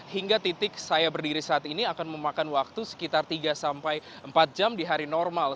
hingga titik saya berdiri saat ini akan memakan waktu sekitar tiga sampai empat jam di hari normal